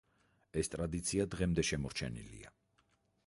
ეს ტრადიცია დღემდე შემორჩენილია.